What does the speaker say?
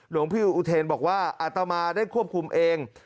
หลวงพี่อุเทนบอกว่าอาตมาได้ควบคุมเอง